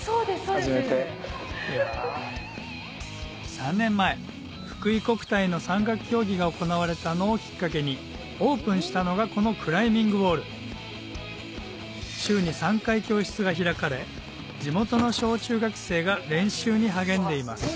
３年前福井国体の山岳競技が行われたのをきっかけにオープンしたのがこのクライミングウォール週に３回教室が開かれ地元の小中学生が練習に励んでいます